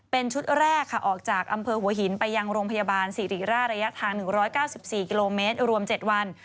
เป็นชุดแรกค่ะออกจากอำเภอหัวหินไปยังโรงพยาบาลสิริราชระยะทาง๑๙๔กิโลเมตรรวม๗วัน